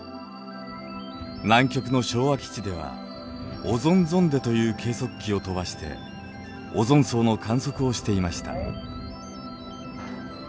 南極の昭和基地ではオゾンゾンデという計測器を飛ばしてオゾン層の観測をしていました。